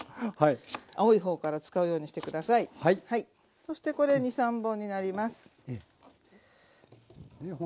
そしてこれ２３本になります。